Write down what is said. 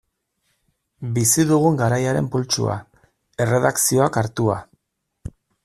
Bizi dugun garaiaren pultsua, erredakzioak hartua.